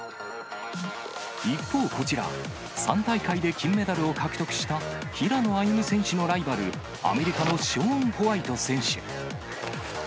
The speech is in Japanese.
一方、こちら、３大会で金メダルを獲得した平野歩夢選手のライバル、アメリカのショーン・ホワイト選手。